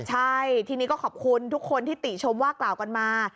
ใช่ทีนี้ก็ขอบคุณทุกคนที่ติชมว่ากล่าวกันมา